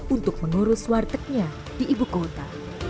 untuk mengurus wartegnya di ibu kota